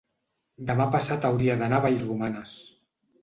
demà passat hauria d'anar a Vallromanes.